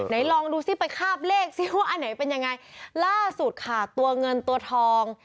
ลองดูซิไปคาบเลขซิว่าอันไหนเป็นยังไงล่าสุดค่ะตัวเงินตัวทอง